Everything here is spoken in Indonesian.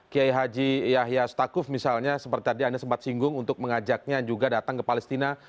kiai haji yahya stakuf misalnya seperti tadi anda sempat singgung untuk mengajaknya juga datang ke palestina